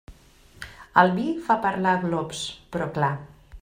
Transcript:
El vi fa parlar a glops, però clar.